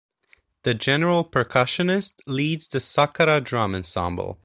The general percussionist leads the sakara drum ensemble.